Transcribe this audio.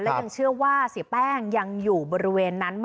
และยังเชื่อว่าเสียแป้งยังอยู่บริเวณนั้น